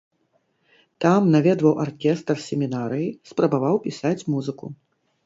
Там наведваў аркестр семінарыі, спрабаваў пісаць музыку.